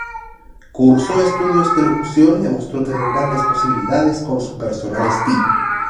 Cursó estudios de locución y demostró tener grandes posibilidades con su personal estilo.